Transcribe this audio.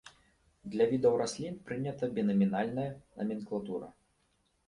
Для відаў раслін прынята бінамінальная наменклатура.